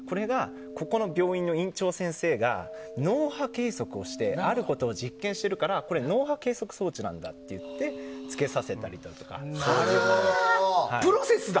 ここの病院の院長先生が脳波計測をしてあることを実験しているからこれは脳波計測装置なんだと言ってプロセスだ。